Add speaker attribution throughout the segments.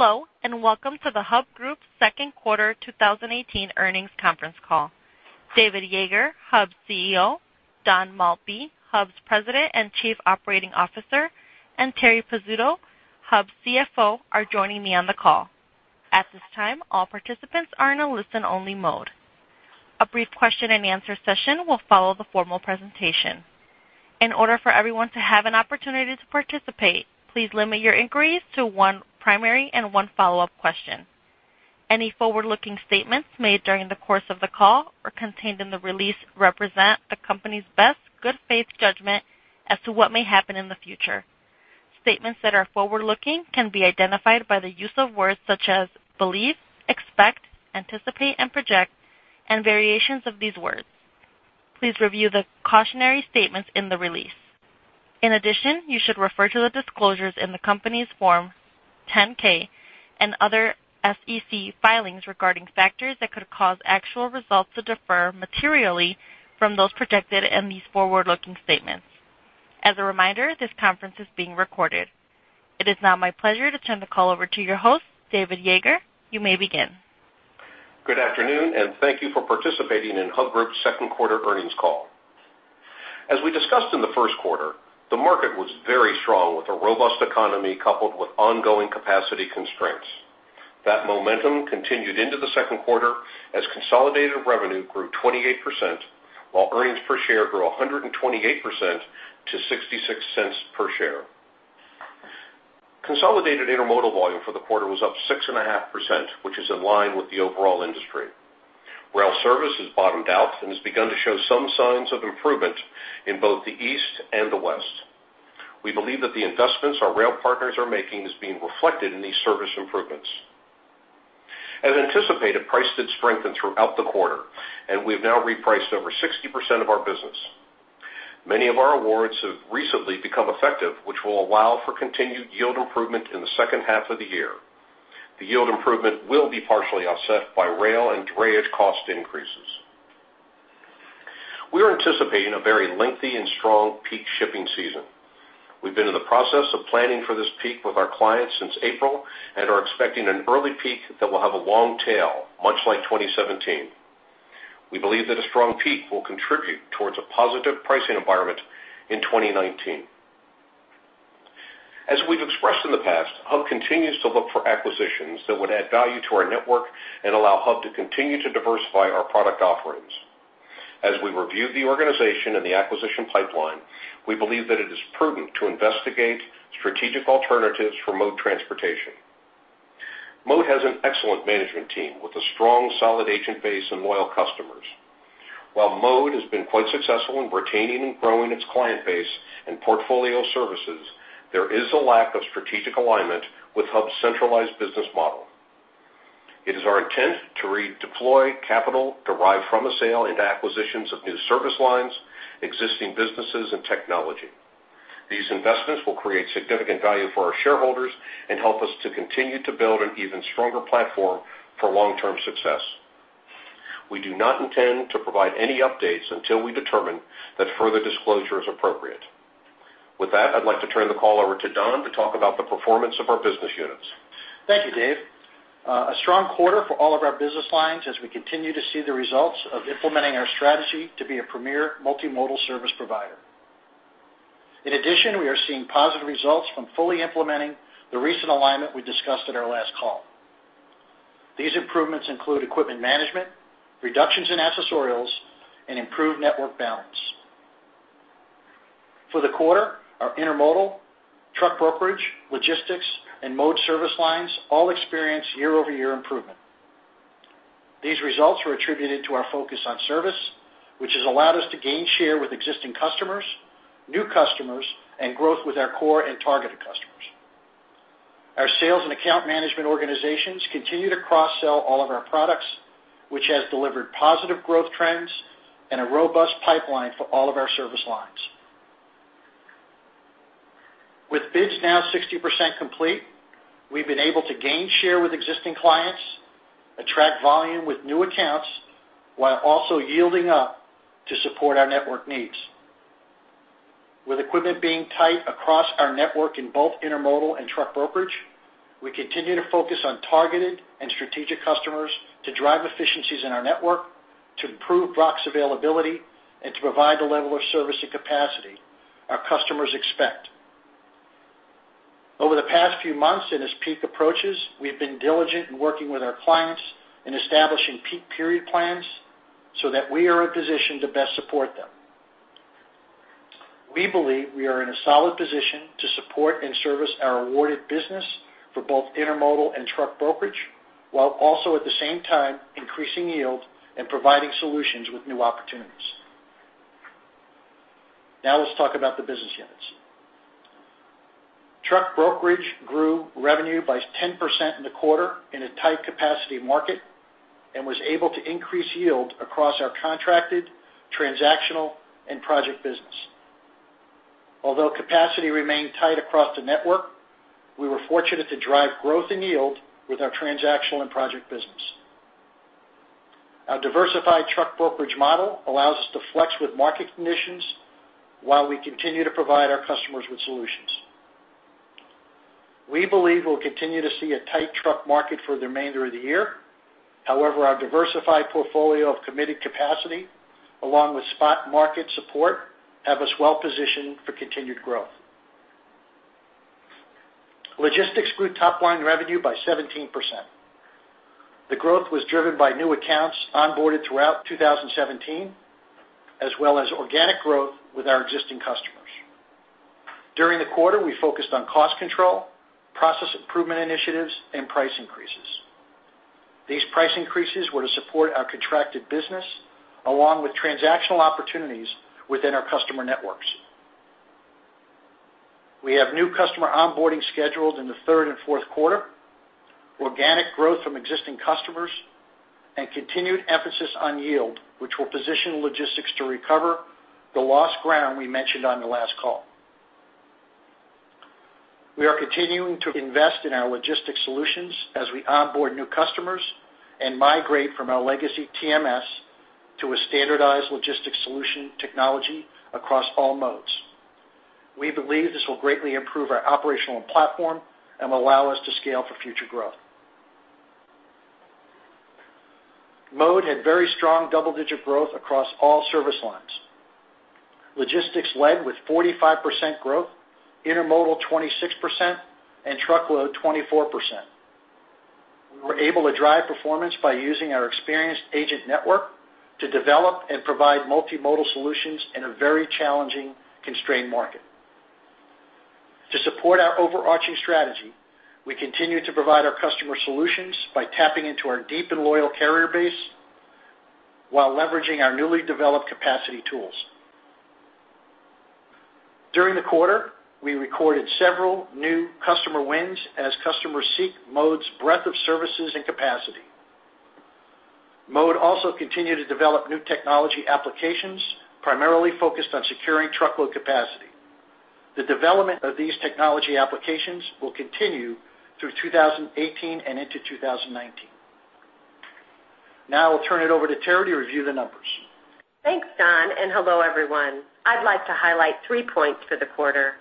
Speaker 1: Hello, welcome to the Hub Group second quarter 2018 earnings conference call. David Yeager, Hub's CEO, Don Maltby, Hub's President and Chief Operating Officer, and Terri Pizzuto, Hub's CFO, are joining me on the call. At this time, all participants are in a listen-only mode. A brief question and answer session will follow the formal presentation. In order for everyone to have an opportunity to participate, please limit your inquiries to one primary and one follow-up question. Any forward-looking statements made during the course of the call or contained in the release represent the company's best good faith judgment as to what may happen in the future. Statements that are forward-looking can be identified by the use of words such as believe, expect, anticipate, and project, and variations of these words. Please review the cautionary statements in the release. In addition, you should refer to the disclosures in the company's Form 10-K and other SEC filings regarding factors that could cause actual results to differ materially from those projected in these forward-looking statements. As a reminder, this conference is being recorded. It is now my pleasure to turn the call over to your host, David Yeager. You may begin.
Speaker 2: Good afternoon, thank you for participating in Hub Group's second quarter earnings call. As we discussed in the first quarter, the market was very strong with a robust economy coupled with ongoing capacity constraints. That momentum continued into the second quarter as consolidated revenue grew 28%, while earnings per share grew 128% to $0.66 per share. Consolidated intermodal volume for the quarter was up 6.5%, which is in line with the overall industry. Rail service has bottomed out and has begun to show some signs of improvement in both the East and the West. We believe that the investments our rail partners are making is being reflected in these service improvements. As anticipated, price did strengthen throughout the quarter, and we've now repriced over 60% of our business. Many of our awards have recently become effective, which will allow for continued yield improvement in the second half of the year. The yield improvement will be partially offset by rail and drayage cost increases. We are anticipating a very lengthy and strong peak shipping season. We've been in the process of planning for this peak with our clients since April and are expecting an early peak that will have a long tail, much like 2017. We believe that a strong peak will contribute towards a positive pricing environment in 2019. As we've expressed in the past, Hub continues to look for acquisitions that would add value to our network and allow Hub to continue to diversify our product offerings. As we review the organization and the acquisition pipeline, we believe that it is prudent to investigate strategic alternatives for Mode Transportation. Mode has an excellent management team with a strong, solid agent base and loyal customers. While Mode has been quite successful in retaining and growing its client base and portfolio services, there is a lack of strategic alignment with Hub's centralized business model. It is our intent to redeploy capital derived from the sale into acquisitions of new service lines, existing businesses, and technology. These investments will create significant value for our shareholders and help us to continue to build an even stronger platform for long-term success. We do not intend to provide any updates until we determine that further disclosure is appropriate. With that, I'd like to turn the call over to Don to talk about the performance of our business units.
Speaker 3: Thank you, Dave. A strong quarter for all of our business lines as we continue to see the results of implementing our strategy to be a premier multimodal service provider. In addition, we are seeing positive results from fully implementing the recent alignment we discussed at our last call. These improvements include equipment management, reductions in accessorials, and improved network balance. For the quarter, our intermodal, truck brokerage, logistics, and Mode service lines all experienced year-over-year improvement. These results were attributed to our focus on service, which has allowed us to gain share with existing customers, new customers, and growth with our core and targeted customers. Our sales and account management organizations continue to cross-sell all of our products, which has delivered positive growth trends and a robust pipeline for all of our service lines. With bids now 60% complete, we've been able to gain share with existing clients, attract volume with new accounts, while also yielding up to support our network needs. With equipment being tight across our network in both intermodal and truck brokerage, we continue to focus on targeted and strategic customers to drive efficiencies in our network, to improve box availability, and to provide the level of service and capacity our customers expect. Over the past few months, and as peak approaches, we have been diligent in working with our clients in establishing peak period plans so that we are in a position to best support them. We believe we are in a solid position to support and service our awarded business for both intermodal and truck brokerage, while also at the same time increasing yield and providing solutions with new opportunities. Now let's talk about the business units. Truck brokerage grew revenue by 10% in the quarter in a tight capacity market and was able to increase yield across our contracted, transactional, and project business. Although capacity remained tight across the network, we were fortunate to drive growth in yield with our transactional and project business. Our diversified truck brokerage model allows us to flex with market conditions while we continue to provide our customers with solutions. We believe we'll continue to see a tight truck market for the remainder of the year. However, our diversified portfolio of committed capacity, along with spot market support, have us well positioned for continued growth. Logistics grew top-line revenue by 17%. The growth was driven by new accounts onboarded throughout 2017, as well as organic growth with our existing customers. During the quarter, we focused on cost control, process improvement initiatives, and price increases. These price increases were to support our contracted business along with transactional opportunities within our customer networks. We have new customer onboarding scheduled in the third and fourth quarter, organic growth from existing customers, and continued emphasis on yield, which will position logistics to recover the lost ground we mentioned on the last call. We are continuing to invest in our logistics solutions as we onboard new customers and migrate from our legacy TMS to a standardized logistics solution technology across all modes. We believe this will greatly improve our operational platform and will allow us to scale for future growth. Mode had very strong double-digit growth across all service lines. Logistics led with 45% growth, intermodal 26%, and truckload 24%. We were able to drive performance by using our experienced agent network to develop and provide multimodal solutions in a very challenging, constrained market. To support our overarching strategy, we continue to provide our customer solutions by tapping into our deep and loyal carrier base while leveraging our newly developed capacity tools. During the quarter, we recorded several new customer wins as customers seek Mode's breadth of services and capacity. Mode also continued to develop new technology applications, primarily focused on securing truckload capacity. The development of these technology applications will continue through 2018 and into 2019. I will turn it over to Terri to review the numbers.
Speaker 4: Thanks, Don, and hello, everyone. I'd like to highlight three points for the quarter.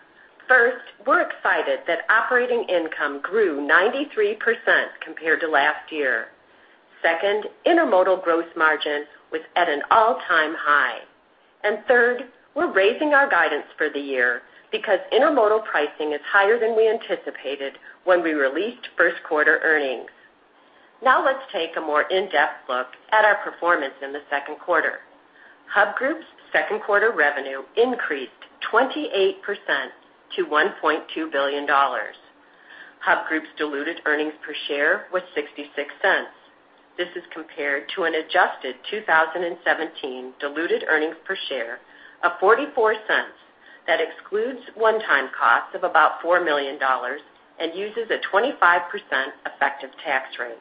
Speaker 4: First, we're excited that operating income grew 93% compared to last year. Second, intermodal gross margin was at an all-time high. Third, we're raising our guidance for the year because intermodal pricing is higher than we anticipated when we released first quarter earnings. Let's take a more in-depth look at our performance in the second quarter. Hub Group's second quarter revenue increased 28% to $1.2 billion. Hub Group's diluted earnings per share was $0.66. This is compared to an adjusted 2017 diluted earnings per share of $0.44 that excludes one-time costs of about $4 million and uses a 25% effective tax rate.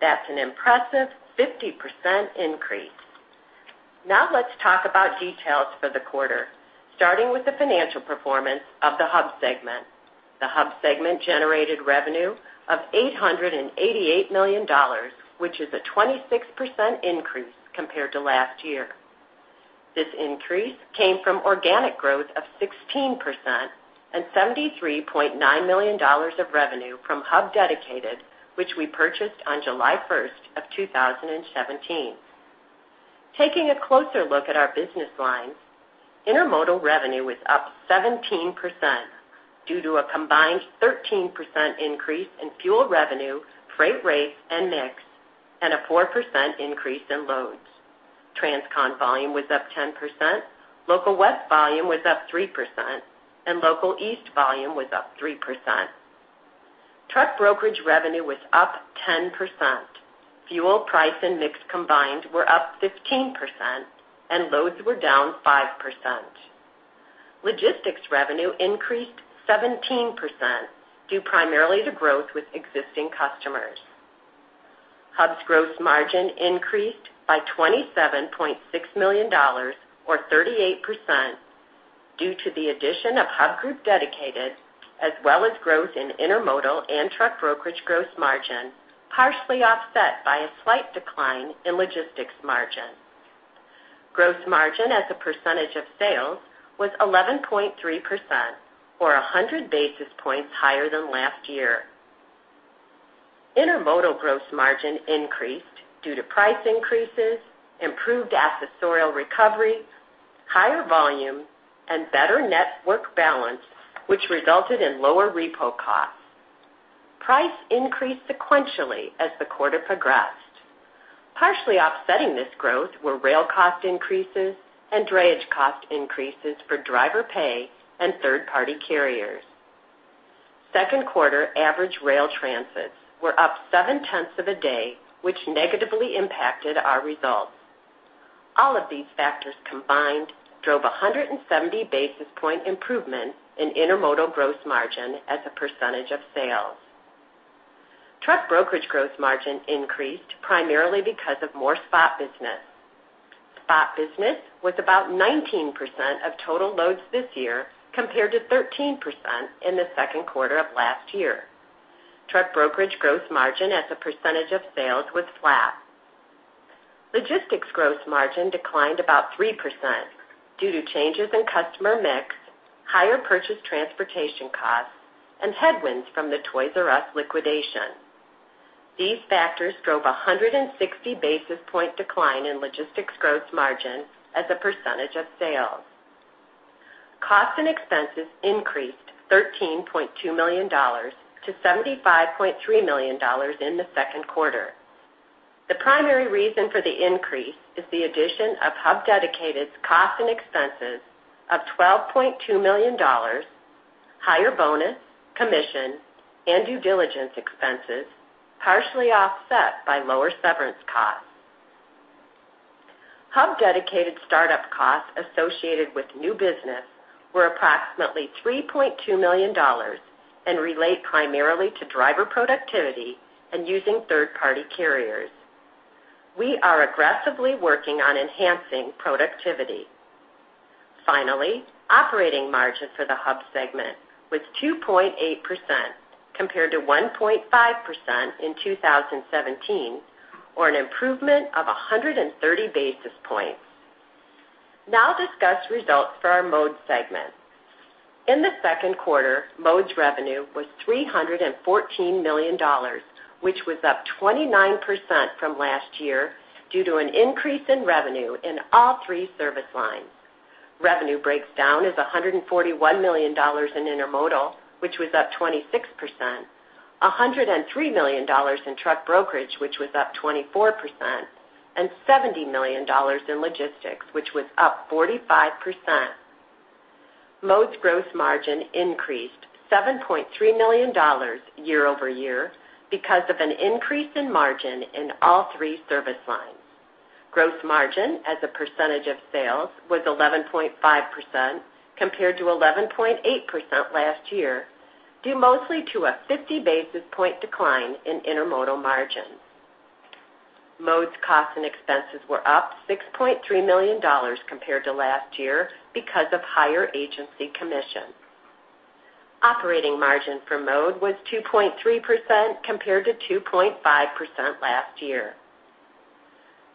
Speaker 4: That's an impressive 50% increase. Let's talk about details for the quarter, starting with the financial performance of the Hub segment. The Hub segment generated revenue of $888 million, which is a 26% increase compared to last year. This increase came from organic growth of 16% and $73.9 million of revenue from Hub Group Dedicated, which we purchased on July 1st of 2017. Taking a closer look at our business lines, intermodal revenue was up 17% due to a combined 13% increase in fuel revenue, freight rates, and mix, and a 4% increase in loads. transcon volume was up 10%, Local West volume was up 3%, and Local East volume was up 3%. Truck brokerage revenue was up 10%. Fuel price and mix combined were up 15%, and loads were down 5%. Logistics revenue increased 17%, due primarily to growth with existing customers. Hub's gross margin increased by $27.6 million, or 38%, due to the addition of Hub Group Dedicated, as well as growth in intermodal and truck brokerage gross margin, partially offset by a slight decline in logistics margin. Gross margin as a percentage of sales was 11.3%, or 100 basis points higher than last year. Intermodal gross margin increased due to price increases, improved accessorial recovery, higher volume, and better network balance, which resulted in lower repo costs. Price increased sequentially as the quarter progressed. Partially offsetting this growth were rail cost increases and drayage cost increases for driver pay and third-party carriers. Second quarter average rail transits were up seven-tenths of a day, which negatively impacted our results. All of these factors combined drove a 170-basis point improvement in intermodal gross margin as a percentage of sales. Truck brokerage gross margin increased primarily because of more spot business. Spot business was about 19% of total loads this year, compared to 13% in the second quarter of last year. Truck brokerage gross margin as a percentage of sales was flat. Logistics gross margin declined about 3% due to changes in customer mix, higher purchase transportation costs, and headwinds from the Toys R Us liquidation. These factors drove 160 basis point decline in logistics gross margin as a percentage of sales. Costs and expenses increased $13.2 million to $75.3 million in the second quarter. The primary reason for the increase is the addition of Hub Group Dedicated's cost and expenses of $12.2 million, higher bonus, commission, and due diligence expenses, partially offset by lower severance costs. Hub Group Dedicated startup costs associated with new business were approximately $3.2 million and relate primarily to driver productivity and using third-party carriers. We are aggressively working on enhancing productivity. Finally, operating margin for the Hub segment was 2.8%, compared to 1.5% in 2017, or an improvement of 130 basis points. Now I'll discuss results for our Mode segment. In the second quarter, Mode's revenue was $314 million, which was up 29% from last year due to an increase in revenue in all three service lines. Revenue breaks down as $141 million in intermodal, which was up 26%, $103 million in truck brokerage, which was up 24%, and $70 million in logistics, which was up 45%. Mode's gross margin increased $7.3 million year-over-year because of an increase in margin in all three service lines. Gross margin as a percentage of sales was 11.5%, compared to 11.8% last year, due mostly to a 50 basis point decline in intermodal margins. Mode's costs and expenses were up $6.3 million compared to last year because of higher agency commissions. Operating margin for Mode was 2.3% compared to 2.5% last year.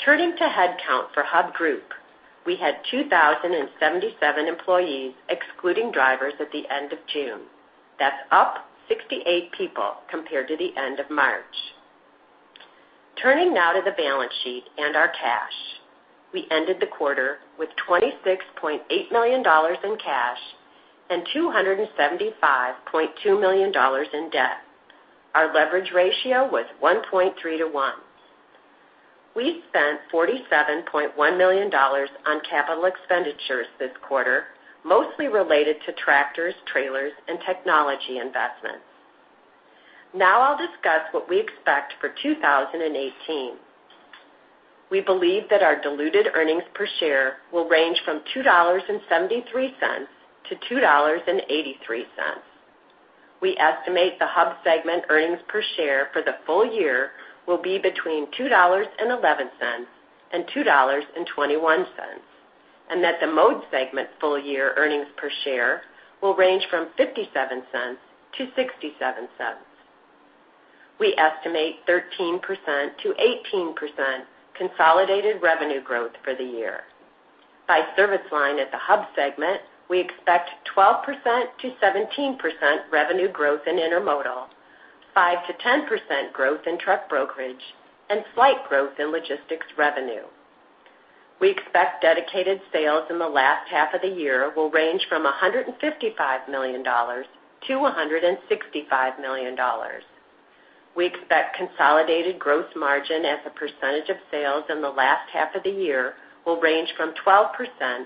Speaker 4: Turning to head count for Hub Group, we had 2,077 employees, excluding drivers, at the end of June. That's up 68 people compared to the end of March. Turning now to the balance sheet and our cash. We ended the quarter with $26.8 million in cash and $275.2 million in debt. Our leverage ratio was 1.3 to 1. We spent $47.1 million on capital expenditures this quarter, mostly related to tractors, trailers, and technology investments. Now I'll discuss what we expect for 2018. We believe that our diluted earnings per share will range from $2.73 to $2.83. We estimate the Hub segment earnings per share for the full year will be between $2.11 and $2.21, and that the Mode segment full year earnings per share will range from $0.57 to $0.67. We estimate 13%-18% consolidated revenue growth for the year. By service line at the Hub segment, we expect 12%-17% revenue growth in intermodal, 5%-10% growth in truck brokerage, and slight growth in logistics revenue. We expect dedicated sales in the last half of the year will range from $155 million-$165 million. We expect consolidated gross margin as a percentage of sales in the last half of the year will range from 12%-13%.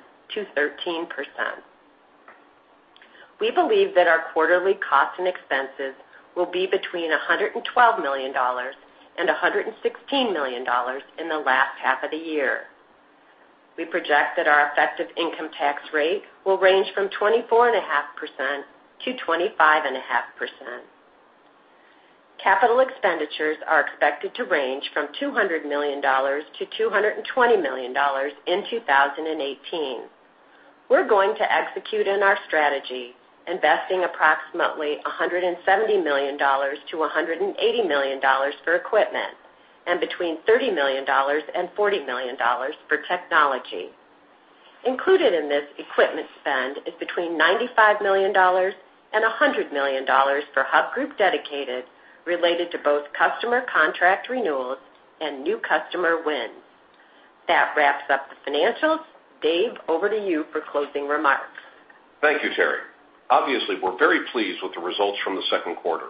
Speaker 4: We believe that our quarterly costs and expenses will be between $112 million and $116 million in the last half of the year. We project that our effective income tax rate will range from 24.5%-25.5%. Capital expenditures are expected to range from $200 million-$220 million in 2018. We're going to execute in our strategy, investing approximately $170 million-$180 million for equipment and between $30 million and $40 million for technology. Included in this equipment spend is between $95 million and $100 million for Hub Group Dedicated, related to both customer contract renewals and new customer wins. That wraps up the financials. Dave, over to you for closing remarks.
Speaker 2: Thank you, Terri. Obviously, we're very pleased with the results from the second quarter.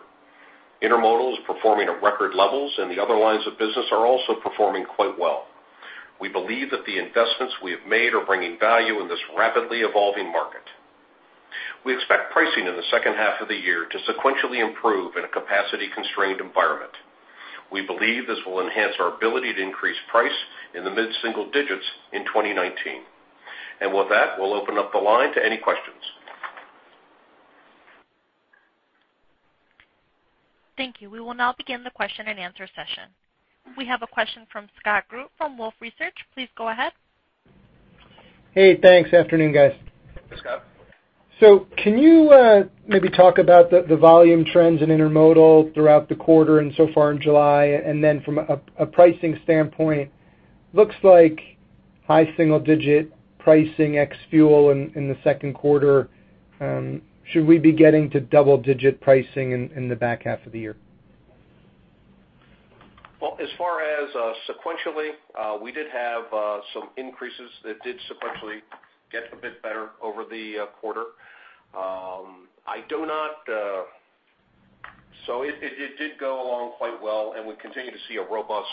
Speaker 2: Intermodal is performing at record levels, and the other lines of business are also performing quite well. We believe that the investments we have made are bringing value in this rapidly evolving market. We expect pricing in the second half of the year to sequentially improve in a capacity-constrained environment. We believe this will enhance our ability to increase price in the mid-single digits in 2019. With that, we'll open up the line to any questions.
Speaker 1: Thank you. We will now begin the question and answer session. We have a question from Scott Group from Wolfe Research. Please go ahead.
Speaker 5: Hey, thanks. Afternoon, guys.
Speaker 2: Hey, Scott.
Speaker 5: Can you maybe talk about the volume trends in intermodal throughout the quarter and so far in July? From a pricing standpoint, looks like high single digit pricing ex fuel in the second quarter. Should we be getting to double digit pricing in the back half of the year?
Speaker 2: As far as sequentially, we did have some increases that did sequentially get a bit better over the quarter. It did go along quite well, and we continue to see a robust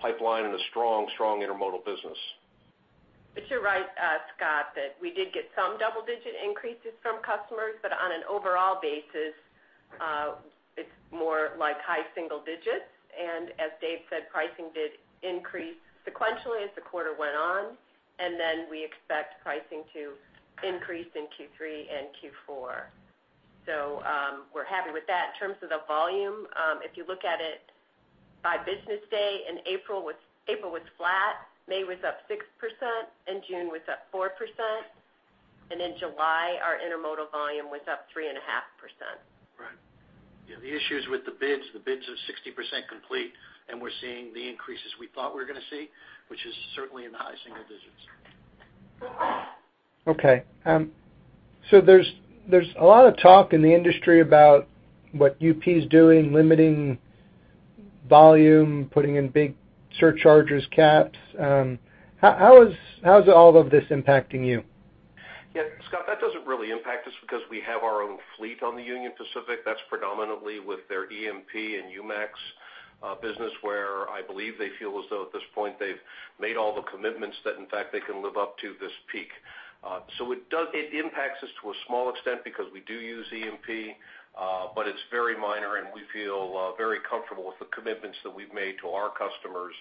Speaker 2: pipeline and a strong intermodal business.
Speaker 4: Scott, you're right that we did get some double-digit increases from customers, but on an overall basis, it's more like high single digits. As Dave said, pricing did increase sequentially as the quarter went on, then we expect pricing to increase in Q3 and Q4. We're happy with that. In terms of the volume, if you look at it by business day in April was flat, May was up 6%, and June was up 4%, and in July, our intermodal volume was up 3.5%.
Speaker 2: Right. The issues with the bids, the bids are 60% complete, we're seeing the increases we thought we were going to see, which is certainly in the high single digits.
Speaker 5: There's a lot of talk in the industry about what UP's doing, limiting volume, putting in big surcharges, caps. How is all of this impacting you?
Speaker 2: Scott, that doesn't really impact us because we have our own fleet on the Union Pacific that's predominantly with their EMP and UMAX business, where I believe they feel as though at this point they've made all the commitments that in fact they can live up to this peak. It impacts us to a small extent because we do use EMP. It's very minor, and we feel very comfortable with the commitments that we've made to our customers,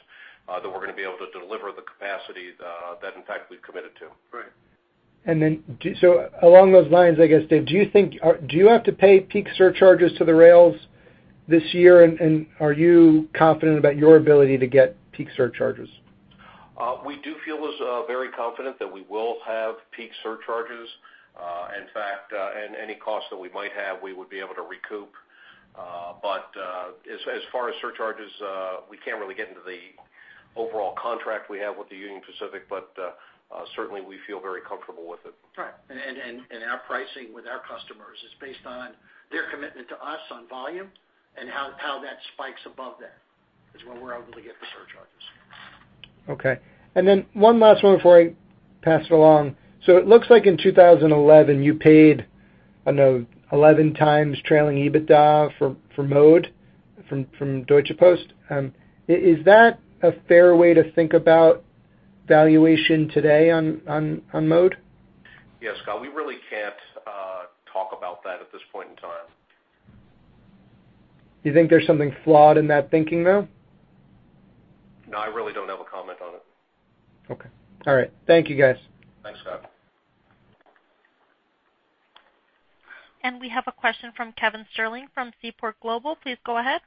Speaker 2: that we're going to be able to deliver the capacity that in fact we've committed to.
Speaker 5: Right. Along those lines, I guess, Dave, do you have to pay peak surcharges to the rails this year, and are you confident about your ability to get peak surcharges?
Speaker 2: We do feel very confident that we will have peak surcharges. In fact, any cost that we might have, we would be able to recoup. As far as surcharges, we can't really get into the overall contract we have with the Union Pacific. Certainly we feel very comfortable with it.
Speaker 5: Right.
Speaker 2: Our pricing with our customers is based on their commitment to us on volume and how that spikes above that, is when we're able to get the surcharges.
Speaker 5: Okay. One last one before I pass it along. It looks like in 2011, you paid, I don't know, 11 times trailing EBITDA for Mode from Deutsche Post. Is that a fair way to think about valuation today on Mode?
Speaker 2: Yeah, Scott, we really can't talk about that at this point in time.
Speaker 5: You think there's something flawed in that thinking, though?
Speaker 2: No, I really don't have a comment on it.
Speaker 5: Okay. All right. Thank you, guys.
Speaker 2: Thanks, Scott.
Speaker 1: We have a question from Kevin Sterling from Seaport Global. Please go ahead.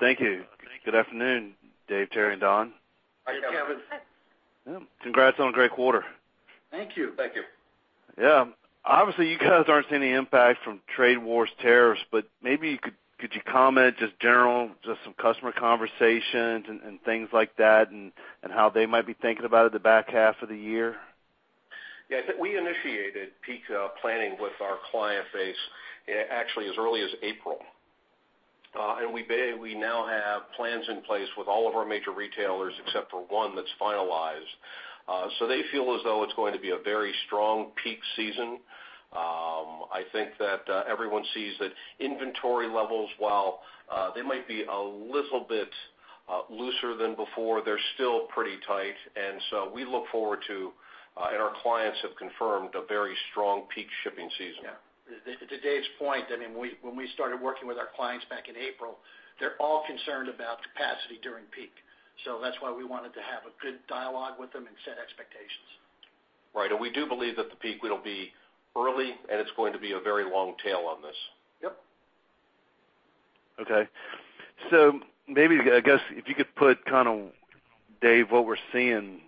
Speaker 6: Thank you. Good afternoon, Dave, Terri, and Don.
Speaker 2: Hi, Kevin.
Speaker 4: Hi.
Speaker 6: Congrats on a great quarter.
Speaker 2: Thank you.
Speaker 3: Thank you.
Speaker 6: Yeah. Obviously, you guys aren't seeing any impact from trade wars, tariffs, but maybe could you comment, just general, just some customer conversations and things like that, and how they might be thinking about it the back half of the year?
Speaker 2: Yeah, I think we initiated peak planning with our client base actually as early as April. We now have plans in place with all of our major retailers, except for one that's finalized. They feel as though it's going to be a very strong peak season. I think that everyone sees that inventory levels, while they might be a little bit looser than before, they're still pretty tight. We look forward to, and our clients have confirmed, a very strong peak shipping season.
Speaker 3: Yeah. To Dave's point, when we started working with our clients back in April, they're all concerned about capacity during peak. That's why we wanted to have a good dialogue with them and set expectations.
Speaker 2: Right. We do believe that the peak will be early, and it's going to be a very long tail on this.
Speaker 3: Yep.
Speaker 6: Okay. Maybe, I guess, if you could put kind of, Dave, what we're seeing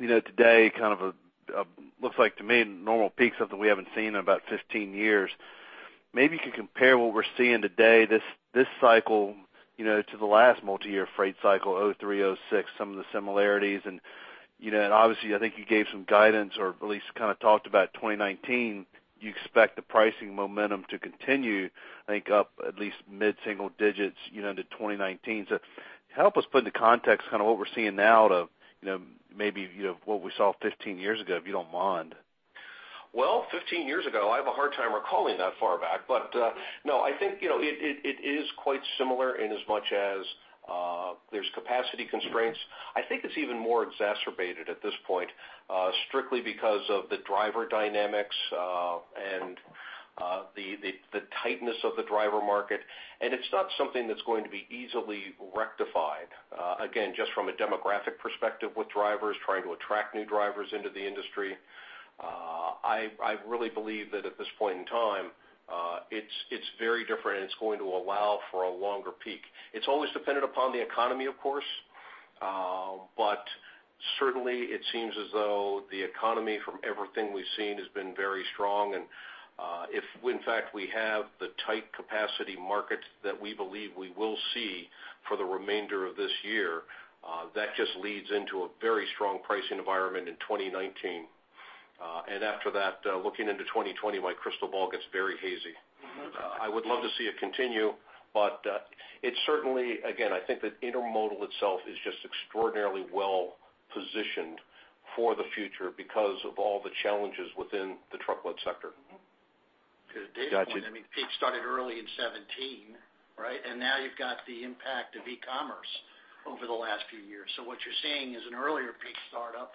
Speaker 6: today kind of looks like to me a normal peak, something we haven't seen in about 15 years. Maybe you could compare what we're seeing today, this cycle to the last multi-year freight cycle, 2003, 2006. Some of the similarities, and obviously, I think you gave some guidance, or at least kind of talked about 2019. Do you expect the pricing momentum to continue, I think up at least mid-single digits into 2019? Help us put into context kind of what we're seeing now to maybe what we saw 15 years ago, if you don't mind.
Speaker 2: 15 years ago, I have a hard time recalling that far back. No, I think it is quite similar inasmuch as there's capacity constraints. I think it's even more exacerbated at this point, strictly because of the driver dynamics, and the tightness of the driver market. It's not something that's going to be easily rectified. Again, just from a demographic perspective with drivers trying to attract new drivers into the industry. I really believe that at this point in time, it's very different, and it's going to allow for a longer peak. It's always dependent upon the economy, of course, but certainly, it seems as though the economy, from everything we've seen, has been very strong. If, in fact, we have the tight capacity market that we believe we will see for the remainder of this year, that just leads into a very strong pricing environment in 2019. After that, looking into 2020, my crystal ball gets very hazy. I would love to see it continue, it certainly, again, I think that intermodal itself is just extraordinarily well-positioned for the future because of all the challenges within the truckload sector.
Speaker 6: Got you.
Speaker 3: To Dave's point, peak started early in 2017, right? Now you've got the impact of e-commerce over the last few years. What you're seeing is an earlier peak startup,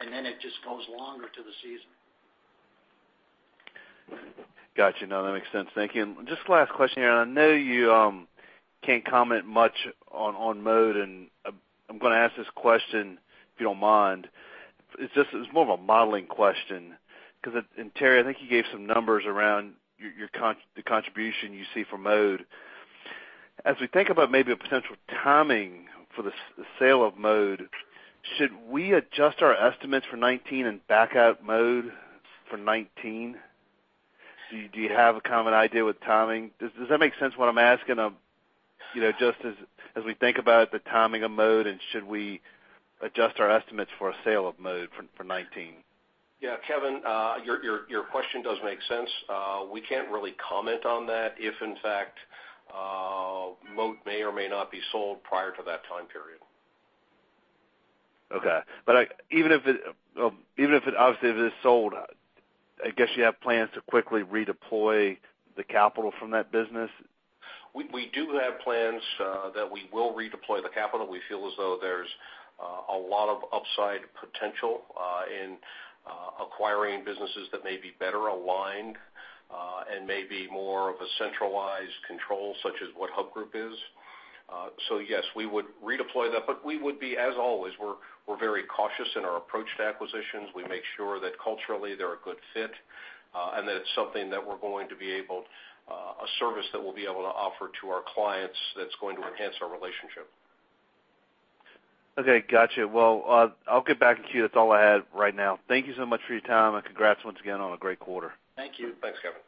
Speaker 3: it just goes longer to the season.
Speaker 6: Got you. That makes sense. Thank you. Just the last question here, I know you can't comment much on Mode, I'm going to ask this question, if you don't mind. It's more of a modeling question because, Terri, I think you gave some numbers around the contribution you see from Mode. As we think about maybe a potential timing for the sale of Mode, should we adjust our estimates for 2019 and back out Mode for 2019? Do you have a common idea with timing? Does that make sense what I'm asking of just as we think about the timing of Mode, should we adjust our estimates for a sale of Mode for 2019?
Speaker 2: Kevin, your question does make sense. We can't really comment on that if, in fact, Mode may or may not be sold prior to that time period.
Speaker 6: Okay. Even if it obviously is sold, I guess you have plans to quickly redeploy the capital from that business?
Speaker 2: We do have plans that we will redeploy the capital. We feel as though there's a lot of upside potential in acquiring businesses that may be better aligned, may be more of a centralized control, such as what Hub Group is. Yes, we would redeploy that, we would be, as always, we're very cautious in our approach to acquisitions. We make sure that culturally they're a good fit, and that it's something that a service that we'll be able to offer to our clients that's going to enhance our relationship.
Speaker 6: Okay, got you. Well, I'll get back to you. That's all I had right now. Thank you so much for your time. Congrats once again on a great quarter.
Speaker 3: Thank you.
Speaker 2: Thanks, Kevin.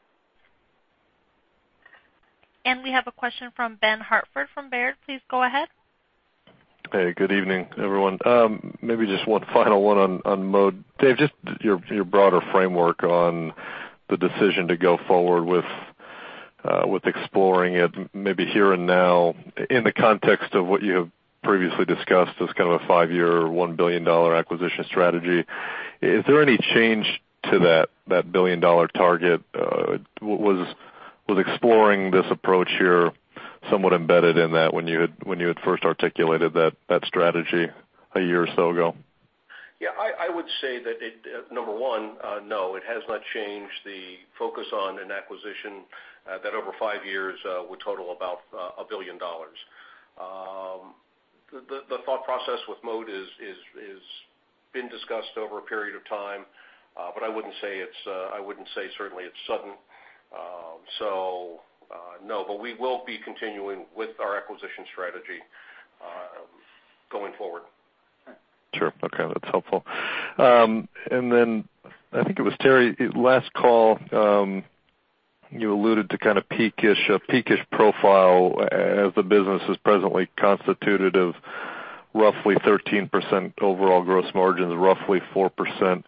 Speaker 1: We have a question from Ben Hartford from Baird. Please go ahead.
Speaker 7: Hey, good evening, everyone. Maybe just one final one on Mode. Dave, just your broader framework on the decision to go forward with exploring it, maybe here and now in the context of what you have previously discussed as kind of a five-year, $1 billion acquisition strategy. Is there any change to that billion-dollar target? Was exploring this approach here somewhat embedded in that when you had first articulated that strategy a year or so ago?
Speaker 2: Yeah, I would say that number one, no, it has not changed the focus on an acquisition that over five years would total about $1 billion. The thought process with Mode has been discussed over a period of time. I wouldn't say certainly it's sudden. No, we will be continuing with our acquisition strategy going forward.
Speaker 7: Sure. Okay. That's helpful. I think it was Terri, last call you alluded to kind of peak-ish profile as the business is presently constituted of roughly 13% overall gross margins, roughly 4%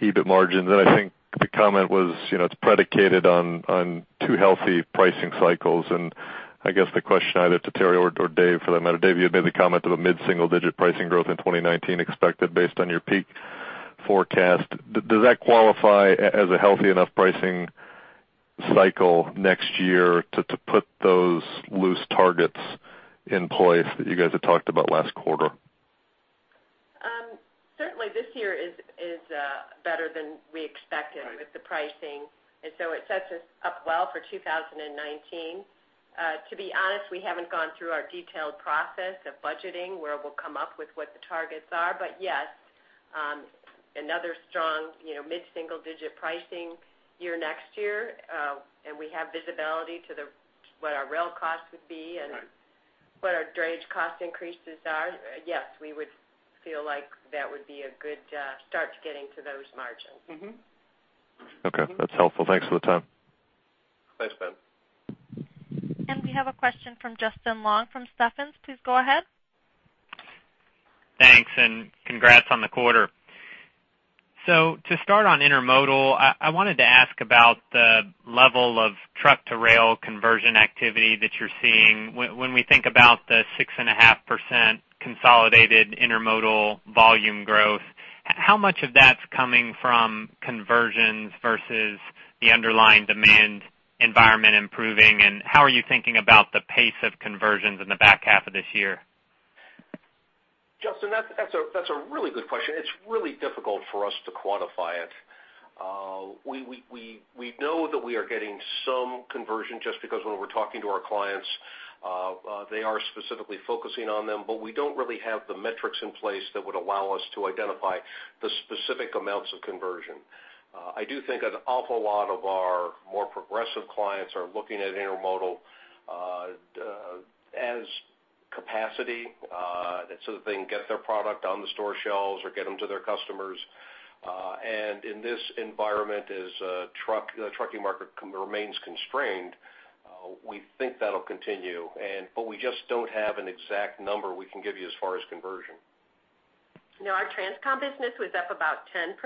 Speaker 7: EBIT margins. I think the comment was it's predicated on two healthy pricing cycles. I guess the question either to Terri or Dave for that matter. Dave, you had made the comment of a mid-single digit pricing growth in 2019 expected based on your peak forecast. Does that qualify as a healthy enough pricing cycle next year to put those loose targets in place that you guys had talked about last quarter?
Speaker 4: Certainly this year is better than we expected with the pricing. It sets us up well for 2019. To be honest, we haven't gone through our detailed process of budgeting where we'll come up with what the targets are. Yes, another strong mid-single digit pricing year next year. We have visibility to what our rail costs would be and what our drayage cost increases are. Yes, we would feel like that would be a good start to getting to those margins.
Speaker 7: Okay. That's helpful. Thanks for the time.
Speaker 2: Thanks, Ben.
Speaker 1: We have a question from Justin Long from Stephens. Please go ahead.
Speaker 8: Thanks and congrats on the quarter. To start on intermodal, I wanted to ask about the level of truck-to-rail conversion activity that you're seeing. When we think about the 6.5% consolidated intermodal volume growth, how much of that's coming from conversions versus the underlying demand environment improving, and how are you thinking about the pace of conversions in the back half of this year?
Speaker 2: Justin, that's a really good question. It's really difficult for us to quantify it. We know that we are getting some conversion just because when we're talking to our clients, they are specifically focusing on them, but we don't really have the metrics in place that would allow us to identify the specific amounts of conversion. I do think an awful lot of our more progressive clients are looking at intermodal as capacity, and so they can get their product on the store shelves or get them to their customers. In this environment, as the trucking market remains constrained, we think that'll continue. We just don't have an exact number we can give you as far as conversion.
Speaker 4: Our transcon business was up about 10%.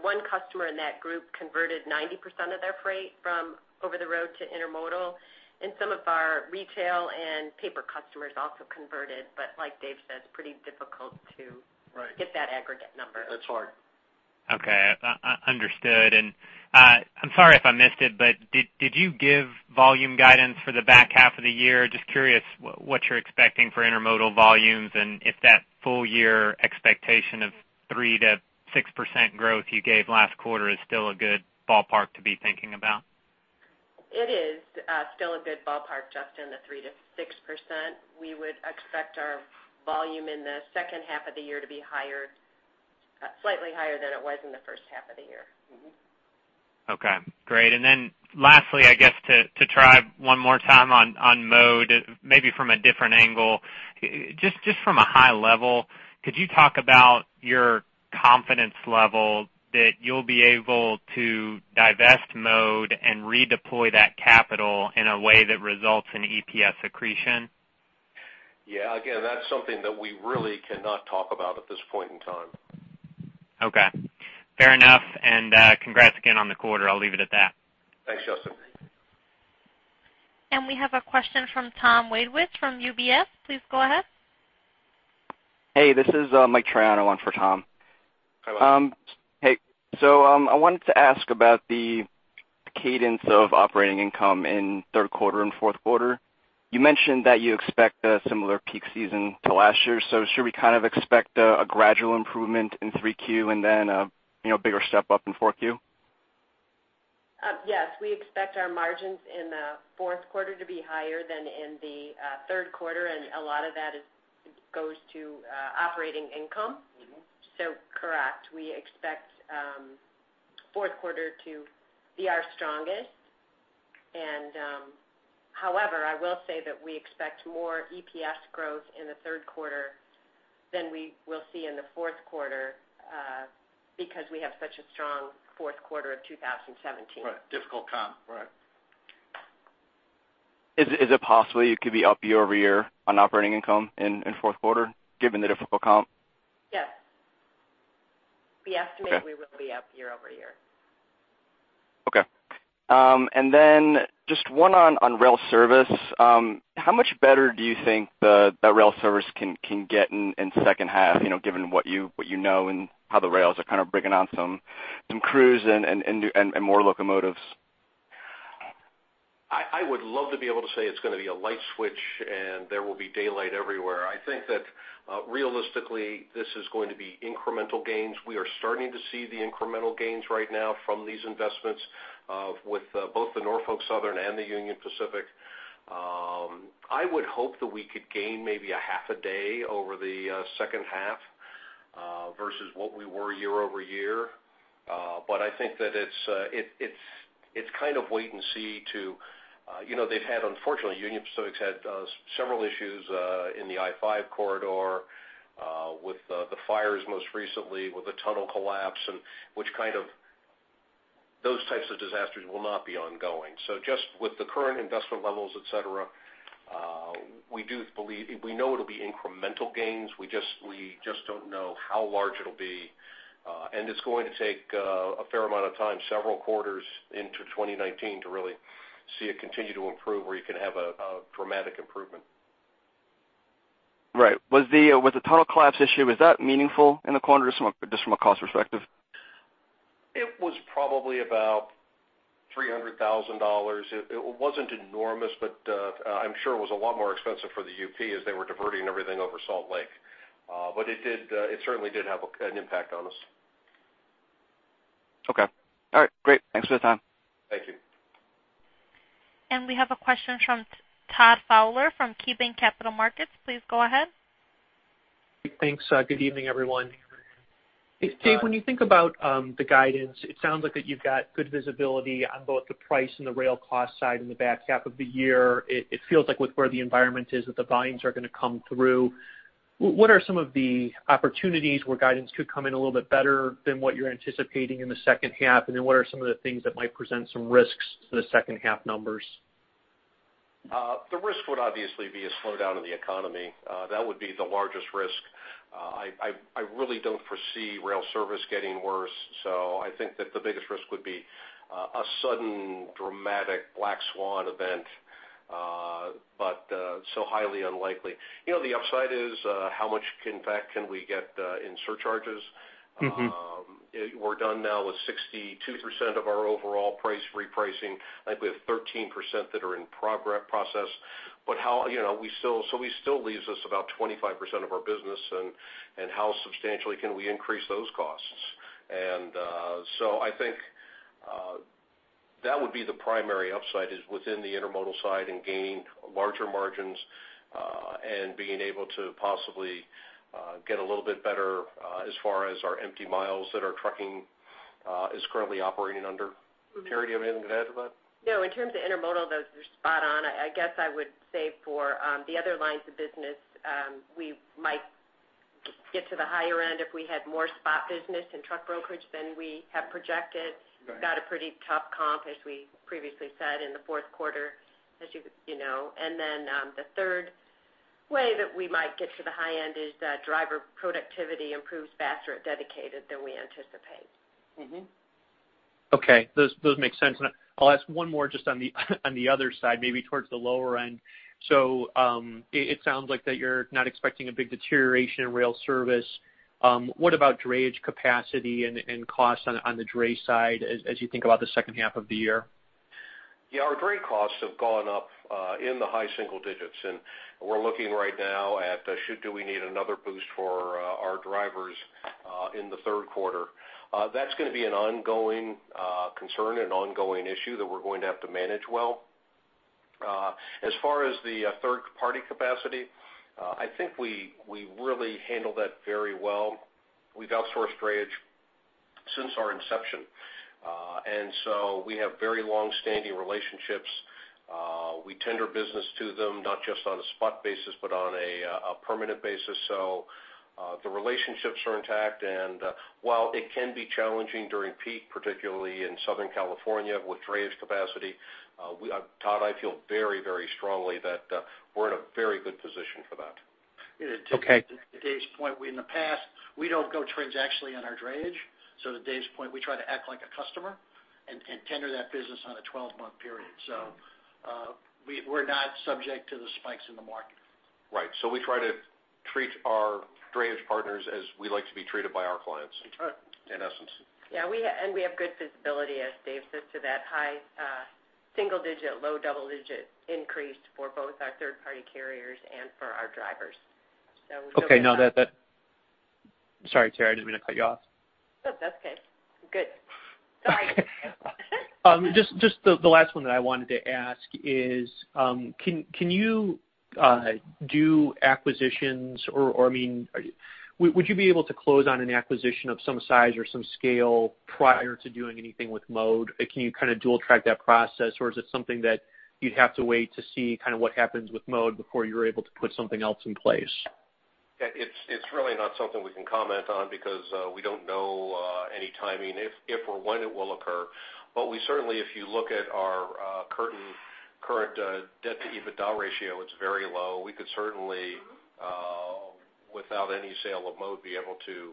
Speaker 4: One customer in that group converted 90% of their freight from over the road to intermodal. Some of our retail and paper customers also converted. Like Dave said, it's pretty difficult to-
Speaker 2: Right
Speaker 4: get that aggregate number.
Speaker 2: It's hard.
Speaker 8: Okay. Understood. I'm sorry if I missed it, but did you give volume guidance for the back half of the year? Just curious what you're expecting for intermodal volumes and if that full-year expectation of 3%-6% growth you gave last quarter is still a good ballpark to be thinking about.
Speaker 4: It is still a good ballpark, Justin, the 3%-6%. We would expect our volume in the second half of the year to be slightly higher than it was in the first half of the year.
Speaker 8: Okay. Great. Lastly, I guess to try one more time on Mode, maybe from a different angle. Just from a high level, could you talk about your confidence level that you'll be able to divest Mode and redeploy that capital in a way that results in EPS accretion?
Speaker 2: Yeah. Again, that's something that we really cannot talk about at this point in time.
Speaker 8: Okay. Fair enough, congrats again on the quarter. I'll leave it at that.
Speaker 2: Thanks, Justin.
Speaker 1: We have a question from Thomas Wadewitz from UBS. Please go ahead.
Speaker 9: Hey, this is Mike Triano on for Tom.
Speaker 2: Hi, Mike.
Speaker 9: Hey. I wanted to ask about the cadence of operating income in third quarter and fourth quarter. You mentioned that you expect a similar peak season to last year, should we kind of expect a gradual improvement in Q3 and then a bigger step up in Q4?
Speaker 4: Yes. We expect our margins in the fourth quarter to be higher than in the third quarter, a lot of that goes to operating income. Correct, we expect fourth quarter to be our strongest. However, I will say that we expect more EPS growth in the third quarter than we will see in the fourth quarter, because we have such a strong fourth quarter of 2017.
Speaker 2: Right. Difficult comp. Right.
Speaker 9: Is it possible you could be up year-over-year on operating income in fourth quarter, given the difficult comp?
Speaker 4: Yes.
Speaker 9: Okay.
Speaker 4: We estimate we will be up year-over-year.
Speaker 9: Okay. Then just one on rail service. How much better do you think the rail service can get in second half, given what you know and how the rails are kind of bringing on some crews and more locomotives?
Speaker 2: I would love to be able to say it's going to be a light switch and there will be daylight everywhere. I think realistically, this is going to be incremental gains. We are starting to see the incremental gains right now from these investments with both the Norfolk Southern and the Union Pacific. I would hope that we could gain maybe a half a day over the second half, versus what we were year-over-year. I think it's kind of wait and see. Unfortunately, Union Pacific's had several issues in the I-5 corridor, with the fires most recently, with a tunnel collapse, and those types of disasters will not be ongoing. Just with the current investment levels, et cetera, we know it'll be incremental gains. We just don't know how large it'll be. It's going to take a fair amount of time, several quarters into 2019 to really see it continue to improve where you can have a dramatic improvement.
Speaker 9: Right. With the tunnel collapse issue, was that meaningful in the quarter, just from a cost perspective?
Speaker 2: It was probably about $300,000. It wasn't enormous, but I'm sure it was a lot more expensive for the UP as they were diverting everything over Salt Lake. It certainly did have an impact on us.
Speaker 9: Okay. All right, great. Thanks for the time.
Speaker 2: Thank you.
Speaker 1: We have a question from Todd Fowler from KeyBanc Capital Markets. Please go ahead.
Speaker 10: Thanks. Good evening, everyone. Dave, when you think about the guidance, it sounds like that you've got good visibility on both the price and the rail cost side in the back half of the year. It feels like with where the environment is, that the volumes are going to come through. What are some of the opportunities where guidance could come in a little bit better than what you're anticipating in the second half? What are some of the things that might present some risks to the second half numbers?
Speaker 2: The risk would obviously be a slowdown in the economy. That would be the largest risk. I really don't foresee rail service getting worse. I think that the biggest risk would be a sudden dramatic black swan event. Highly unlikely. The upside is how much impact can we get in surcharges. We're done now with 62% of our overall price repricing. I think we have 13% that are in process. It still leaves us about 25% of our business, and how substantially can we increase those costs? I think that would be the primary upside is within the intermodal side and gain larger margins, and being able to possibly get a little bit better as far as our empty miles that our trucking is currently operating under. Terri, do you have anything to add to that?
Speaker 4: No, in terms of intermodal, those are spot on. I guess I would say for the other lines of business, we might get to the higher end if we had more spot business in truck brokerage than we have projected.
Speaker 2: Right.
Speaker 4: Got a pretty tough comp, as we previously said in the fourth quarter, as you know. The third way that we might get to the high end is that driver productivity improves faster at Dedicated than we anticipate.
Speaker 10: Okay. Those make sense. I'll ask one more just on the other side, maybe towards the lower end. It sounds like that you're not expecting a big deterioration in rail service. What about drayage capacity and costs on the dray side as you think about the second half of the year?
Speaker 2: Yeah, our dray costs have gone up in the high single digits, and we're looking right now at should we need another boost for our drivers in the third quarter. That's going to be an ongoing concern and ongoing issue that we're going to have to manage well. As far as the third-party capacity, I think we really handle that very well. We've outsourced drayage since our inception. We have very long-standing relationships. We tender business to them not just on a spot basis, but on a permanent basis. The relationships are intact, and while it can be challenging during peak, particularly in Southern California with drayage capacity, Todd, I feel very strongly that we're in a very good position for that.
Speaker 10: Okay.
Speaker 3: To Dave's point, in the past, we don't go transactionally on our drayage. To Dave's point, we try to act like a customer and tender that business on a 12-month period. We're not subject to the spikes in the market.
Speaker 2: Right. We try to treat our drayage partners as we like to be treated by our clients.
Speaker 3: That's right.
Speaker 2: In essence.
Speaker 4: We have good visibility, as Dave said, to that high single-digit, low double-digit increase for both our third-party carriers and for our drivers.
Speaker 10: Okay. Sorry, Terri, I didn't mean to cut you off.
Speaker 4: No, that's okay. Good. Sorry.
Speaker 10: Just the last one that I wanted to ask is, can you do acquisitions, or would you be able to close on an acquisition of some size or some scale prior to doing anything with Mode? Can you kind of dual-track that process, or is it something that you'd have to wait to see what happens with Mode before you're able to put something else in place?
Speaker 2: It's really not something we can comment on because we don't know any timing, if or when it will occur. We certainly, if you look at our current debt to EBITDA ratio, it's very low. We could certainly, without any sale of Mode, be able to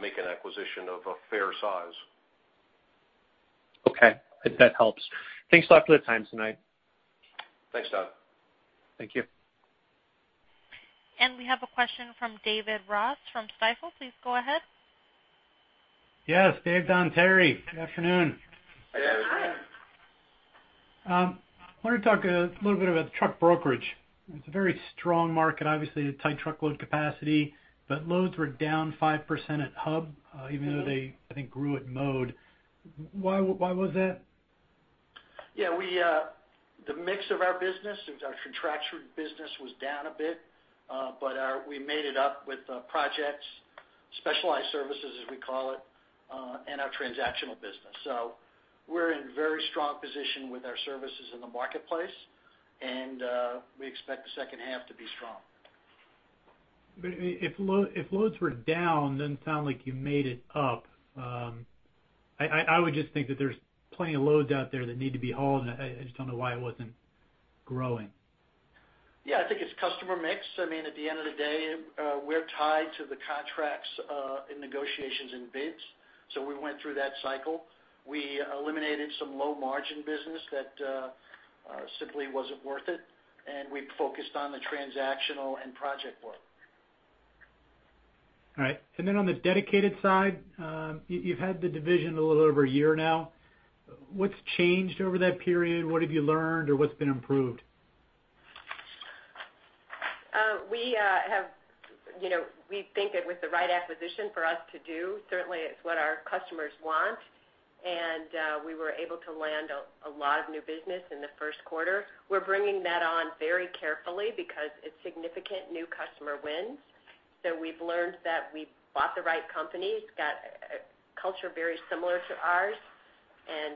Speaker 2: make an acquisition of a fair size.
Speaker 10: Okay. That helps. Thanks a lot for the time tonight.
Speaker 2: Thanks, Todd.
Speaker 10: Thank you.
Speaker 1: We have a question from David Ross from Stifel. Please go ahead.
Speaker 11: Yes. Dave, Don, Terri. Good afternoon.
Speaker 2: Good afternoon.
Speaker 4: Hi.
Speaker 11: I wanted to talk a little bit about truck brokerage. It's a very strong market, obviously, tight truckload capacity, loads were down 5% at Hub, even though they, I think, grew at Mode. Why was that?
Speaker 3: Yeah. The mix of our business, our contracted business was down a bit. We made it up with projects, specialized services, as we call it, and our transactional business. We're in very strong position with our services in the marketplace, and we expect the second half to be strong.
Speaker 11: If loads were down, doesn't sound like you made it up. I would just think that there's plenty of loads out there that need to be hauled, and I just don't know why it wasn't growing.
Speaker 3: Yeah. I think it's customer mix. At the end of the day, we're tied to the contracts, and negotiations, and bids. We went through that cycle. We eliminated some low-margin business that simply wasn't worth it, and we focused on the transactional and project work.
Speaker 11: All right. On the Dedicated side, you've had the division a little over a year now. What's changed over that period? What have you learned, or what's been improved?
Speaker 4: We think it was the right acquisition for us to do. Certainly, it's what our customers want, and we were able to land a lot of new business in the first quarter. We're bringing that on very carefully because it's significant new customer wins. We've learned that we bought the right company. It's got a culture very similar to ours and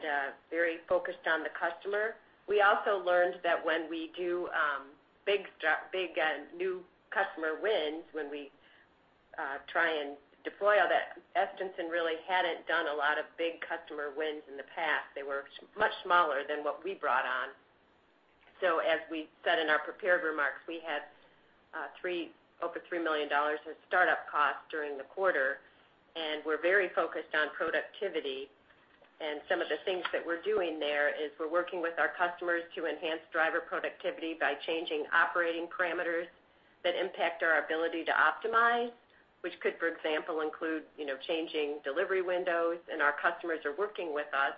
Speaker 4: very focused on the customer. We also learned that when we do big new customer wins, when we try and deploy all that, Estenson really hadn't done a lot of big customer wins in the past. They were much smaller than what we brought on. As we said in our prepared remarks, we had over $3 million in startup costs during the quarter, and we're very focused on productivity. Some of the things that we're doing there is we're working with our customers to enhance driver productivity by changing operating parameters that impact our ability to optimize, which could, for example, include changing delivery windows. Our customers are working with us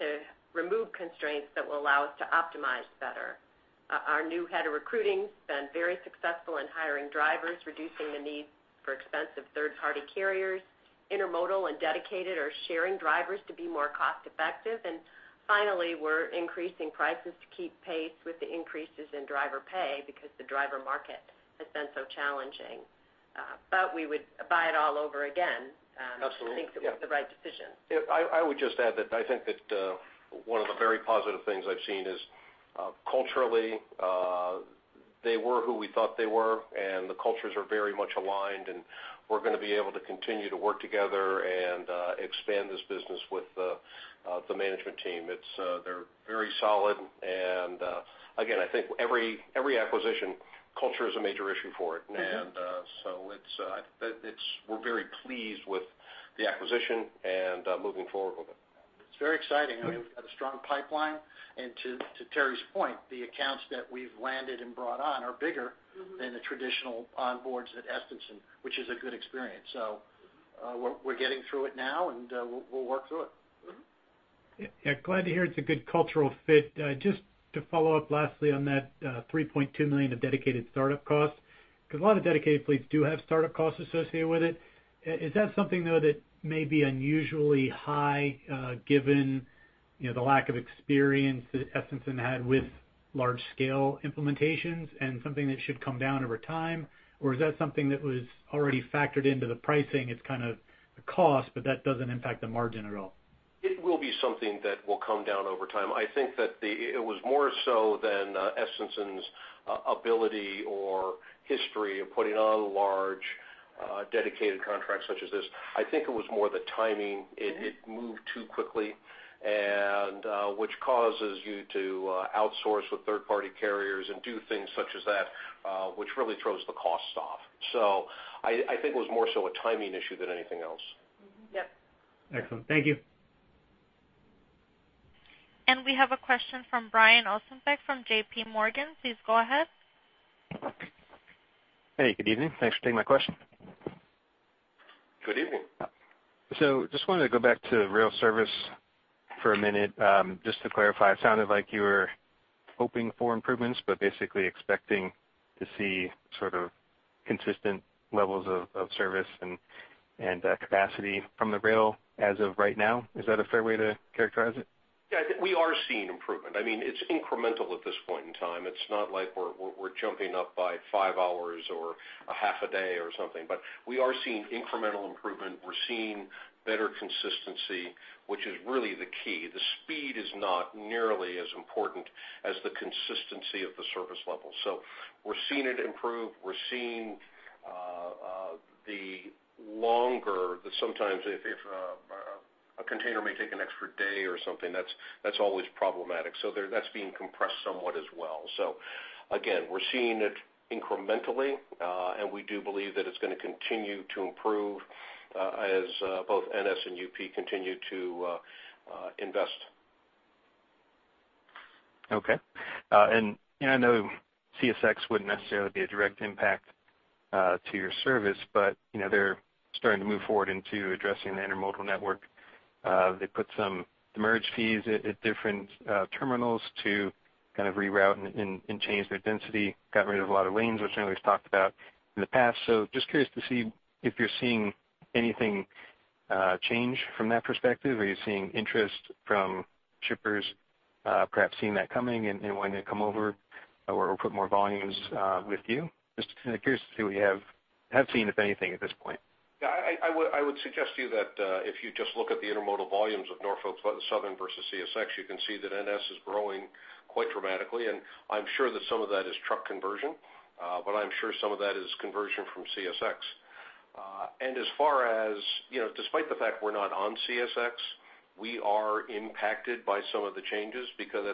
Speaker 4: to remove constraints that will allow us to optimize better. Our new head of recruiting has been very successful in hiring drivers, reducing the need for expensive third-party carriers. Intermodal and Dedicated are sharing drivers to be more cost-effective. Finally, we're increasing prices to keep pace with the increases in driver pay because the driver market has been so challenging. We would buy it all over again.
Speaker 2: Absolutely, yeah.
Speaker 4: We think that was the right decision.
Speaker 2: Yeah. I would just add that I think that one of the very positive things I've seen is culturally, they were who we thought they were, and the cultures are very much aligned, and we're going to be able to continue to work together and expand this business with the management team. They're very solid. Again, I think every acquisition, culture is a major issue for it. We're very pleased with the acquisition and moving forward with it.
Speaker 3: It's very exciting. I mean, we've got a strong pipeline, and to Terri's point, the accounts that we've landed and brought on are bigger- than the traditional onboards at Estenson, which is a good experience. We're getting through it now, and we'll work through it.
Speaker 11: Yeah. Glad to hear it's a good cultural fit. Just to follow up lastly on that $3.2 million of dedicated startup costs, because a lot of dedicated fleets do have startup costs associated with it. Is that something, though, that may be unusually high, given the lack of experience that Estenson had with large-scale implementations and something that should come down over time? Is that something that was already factored into the pricing? It's kind of the cost, but that doesn't impact the margin at all.
Speaker 2: It will be something that will come down over time. I think that it was more so than Estenson's ability or history of putting on large dedicated contracts such as this. I think it was more the timing. It moved too quickly, which causes you to outsource with third-party carriers and do things such as that, which really throws the costs off. I think it was more so a timing issue than anything else.
Speaker 4: Mm-hmm. Yep.
Speaker 11: Excellent. Thank you.
Speaker 1: We have a question from Brian Ossenbeck from J.P. Morgan. Please go ahead.
Speaker 12: Hey, good evening. Thanks for taking my question.
Speaker 2: Good evening.
Speaker 12: Just wanted to go back to rail service for a minute. Just to clarify, it sounded like you were hoping for improvements, but basically expecting to see sort of consistent levels of service and capacity from the rail as of right now. Is that a fair way to characterize it?
Speaker 2: I think we are seeing improvement. I mean, it's incremental at this point in time. It's not like we're jumping up by five hours or a half a day or something, but we are seeing incremental improvement. We're seeing better consistency, which is really the key. The speed is not nearly as important as the consistency of the service level. We're seeing it improve. We're seeing the longer, that sometimes if a container may take an extra day or something, that's always problematic. That's being compressed somewhat as well. Again, we're seeing it incrementally, and we do believe that it's going to continue to improve, as both NS and UP continue to invest.
Speaker 12: Okay. I know CSX wouldn't necessarily be a direct impact to your service, but they're starting to move forward into addressing the intermodal network. They put some demurrage fees at different terminals to kind of reroute and change their density. Got rid of a lot of lanes, which I know we've talked about in the past. Just curious to see if you're seeing anything change from that perspective. Are you seeing interest from shippers perhaps seeing that coming and wanting to come over or put more volumes with you? Just kind of curious to see what you have seen, if anything, at this point.
Speaker 2: Yeah, I would suggest to you that if you just look at the intermodal volumes of Norfolk Southern versus CSX, you can see that NS is growing quite dramatically, and I'm sure that some of that is truck conversion. I'm sure some of that is conversion from CSX. As far as despite the fact we're not on CSX, we are impacted by some of the changes. because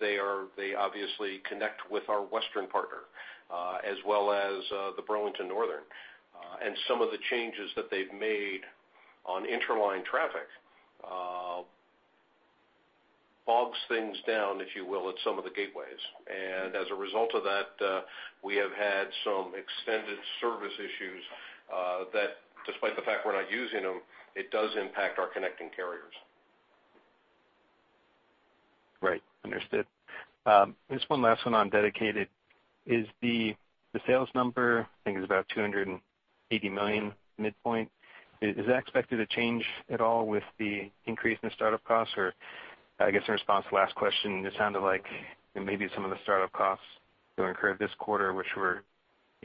Speaker 2: they obviously connect with our western partner, as well as the BNSF Railway. Some of the changes that they've made on interline traffic bogs things down, if you will, at some of the gateways. As a result of that, we have had some extended service issues that despite the fact we're not using them, it does impact our connecting carriers.
Speaker 12: Right. Understood. Just one last one on dedicated. Is the sales number, I think it's about $280 million midpoint. Is that expected to change at all with the increase in startup costs? I guess in response to the last question, it sounded like maybe some of the startup costs you incurred this quarter, which were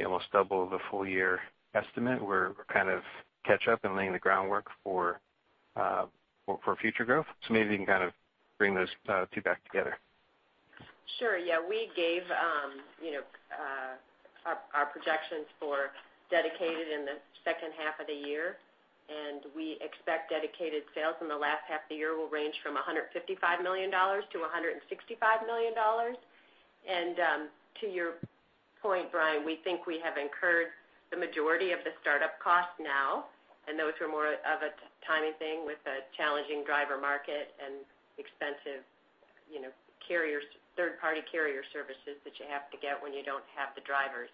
Speaker 12: almost double the full-year estimate, were kind of catch up and laying the groundwork for future growth. Maybe you can kind of bring those two back together.
Speaker 4: Sure, yeah. We gave our projections for dedicated in the second half of the year, we expect dedicated sales in the last half of the year will range from $155 million-$165 million. To your point, Brian, we think we have incurred the majority of the startup costs now, and those were more of a timing thing with a challenging driver market and expensive third-party carrier services that you have to get when you don't have the drivers.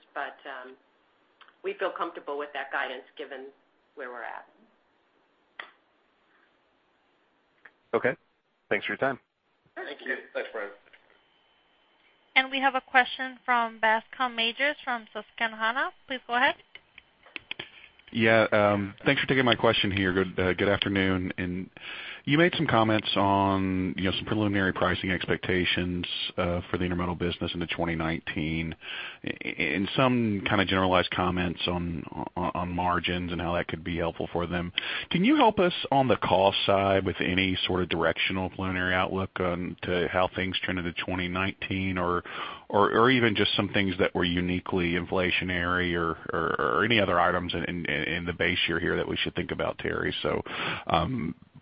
Speaker 4: We feel comfortable with that guidance given where we're at.
Speaker 12: Okay. Thanks for your time.
Speaker 4: Thank you.
Speaker 2: Thanks, Brian.
Speaker 1: We have a question from Bascome Majors from Susquehanna. Please go ahead.
Speaker 13: Yeah. Thanks for taking my question here. Good afternoon. You made some comments on some preliminary pricing expectations for the intermodal business into 2019, and some kind of generalized comments on margins and how that could be helpful for them. Can you help us on the cost side with any sort of directional preliminary outlook to how things trend into 2019? Or even just some things that were uniquely inflationary or any other items in the base year here that we should think about, Terri.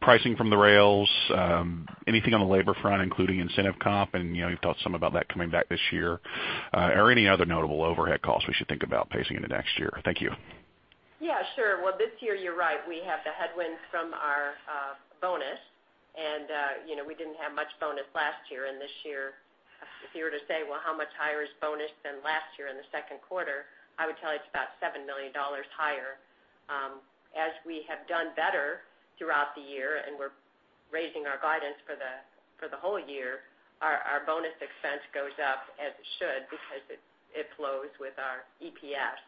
Speaker 13: Pricing from the rails, anything on the labor front, including incentive comp, and you've talked some about that coming back this year, or any other notable overhead costs we should think about pacing into next year. Thank you.
Speaker 4: Yeah, sure. Well, this year, you're right, we have the headwind from our bonus. We didn't have much bonus last year. This year, if you were to say, "Well, how much higher is bonus than last year in the second quarter?" I would tell you it's about $7 million higher. As we have done better throughout the year, and we're raising our guidance for the whole year, our bonus expense goes up as it should because it flows with our EPS.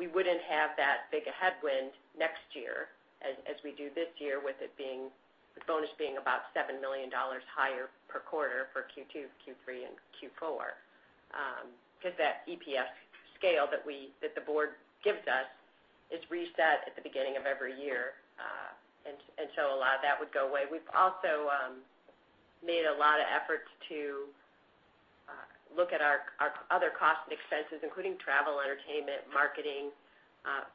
Speaker 4: We wouldn't have that big a headwind next year as we do this year with the bonus being about $7 million higher per quarter for Q2, Q3, and Q4 because that EPS scale that the board gives us is reset at the beginning of every year. A lot of that would go away. We've also made a lot of efforts to look at our other cost and expenses, including travel, entertainment, marketing,